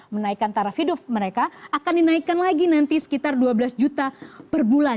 menaikkan taraf hidup mereka akan dinaikkan lagi nanti sekitar dua belas juta per bulan